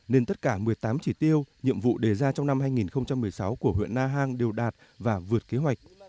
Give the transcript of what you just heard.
nên tất cả một mươi tám chỉ tiêu nhiệm vụ đề ra trong năm hai nghìn một mươi sáu của huyện na hàng đều đạt và vượt kế hoạch